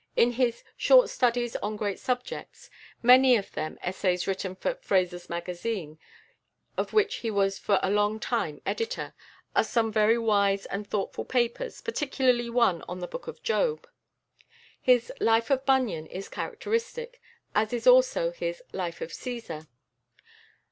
In his "Short Studies on Great Subjects," many of them essays written for Fraser's Magazine, of which he was for a long time editor, are some very wise and thoughtful papers, particularly one on the Book of Job. His "Life of Bunyan" is characteristic, as is also his "Life of Cæsar."